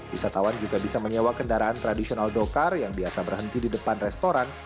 wisatawan juga bisa menyewa kendaraan tradisional dokar yang biasa berhenti di depan restoran